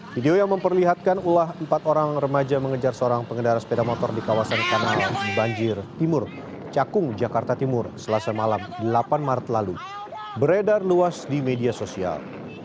video yang memperlihatkan ulah empat orang remaja mengejar seorang pengendara sepeda motor di kawasan kanal banjir timur cakung jakarta timur selasa malam delapan maret lalu beredar luas di media sosial